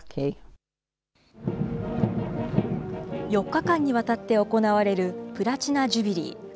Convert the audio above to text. ４日間にわたって行われるプラチナ・ジュビリー。